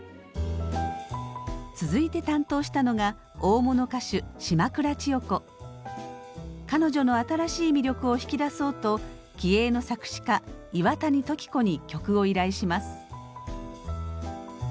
続いて担当したのが大物歌手彼女の新しい魅力を引き出そうと気鋭の作詞家岩谷時子に曲を依頼します。